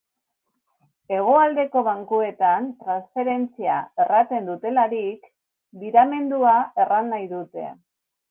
Hegoaldeko bankuetan "transferentzia" erraten dutelarik "biramendua" erran nahi dute.